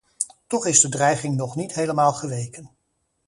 Toch is de dreiging nog niet helemaal geweken.